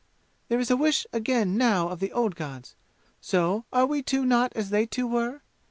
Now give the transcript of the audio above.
There is a wish again now of the old gods. So, are we two not as they two were?